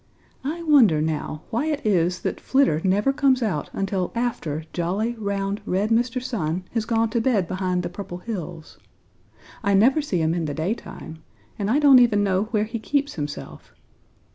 I wonder, now, why it is that Flitter never comes out until after jolly, round, red Mr. Sun has gone to bed behind the Purple Hills. I never see him in the daytime, and I don't even know where he keeps himself.